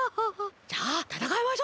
じゃあたたかいましょう。